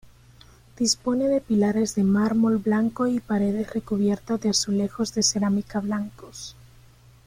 Dispone de pilares de mármol blanco y paredes recubiertas de azulejos de cerámica blancos.